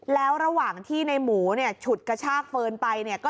แล้วระหว่างที่ในหมูฉุดกระชากเฟิร์นไป